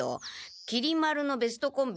きり丸のベストコンビ